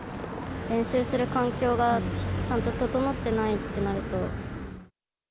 練習する環境がちゃんと整ってないってなると。